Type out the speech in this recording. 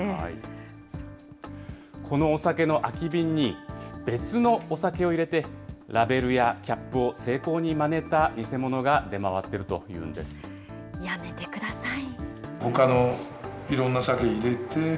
このお酒の空き瓶に別のお酒を入れて、ラベルやキャップを精巧にまねた偽物が出回っているとやめてください。